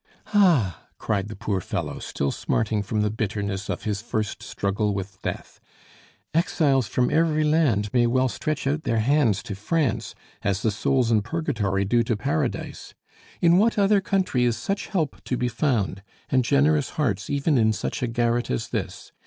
"Ah!" cried the poor fellow, still smarting from the bitterness of his first struggle with death, "exiles from every land may well stretch out their hands to France, as the souls in Purgatory do to Paradise. In what other country is such help to be found, and generous hearts even in such a garret as this?